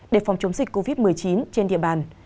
để phòng chống dịch covid một mươi chín trên địa bàn